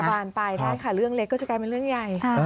บานไปใช่ค่ะเรื่องเล็กก็จะกลายเป็นเรื่องใหญ่